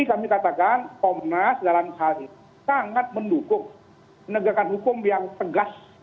kami katakan komnas dalam hal ini sangat mendukung penegakan hukum yang tegas